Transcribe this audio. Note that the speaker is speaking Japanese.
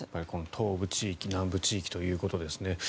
この東部地域南部地域ということですね。